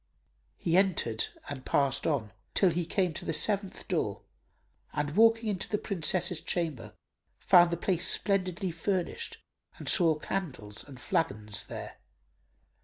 He entered and passed on, till he came to the seventh door and walking in to the Princess's chamber found the place splendidly furnished and saw candles and flagons there.